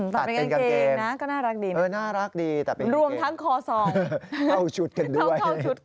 ตัดเป็นกางเกงนะก็น่ารักดีนะครับรวมทั้งคอซองเข้าชุดกันด้วย